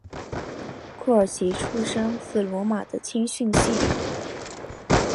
库尔奇出身自罗马的青训系统。